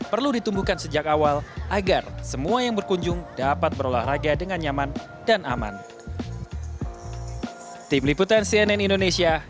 perlu ditumbuhkan sejak awal agar semua yang berkunjung dapat berolahraga dengan nyaman dan aman